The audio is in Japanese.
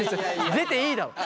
出ていいだろ。